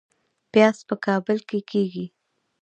پیاز په کابل کې کیږي